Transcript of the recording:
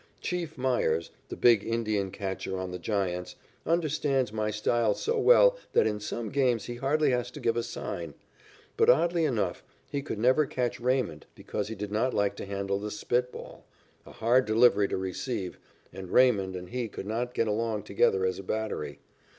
"Chief" Meyers, the big Indian catcher on the Giants, understands my style so well that in some games he hardly has to give a sign. But, oddly enough, he could never catch Raymond because he did not like to handle the spit ball, a hard delivery to receive, and Raymond and he could not get along together as a battery.